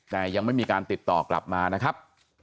แต่ยังไม่มีการติดต่อกลับมานะครับ